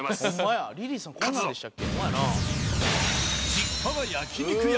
実家は焼き肉屋。